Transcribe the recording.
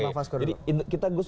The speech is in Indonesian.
boleh saya ajak sebentar gus